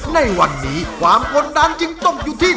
ในวันนี้ความกดดันจึงตกอยู่ที่